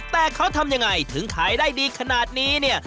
แต่เขาทำยังไงถึงขายได้ดีขนาดนี้เนี่ย